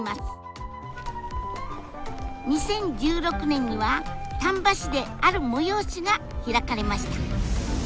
２０１６年には丹波市である催しが開かれました。